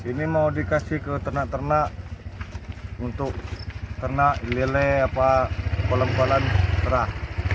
ini mau dikasih ke ternak ternak untuk ternak lele kolam kolam perah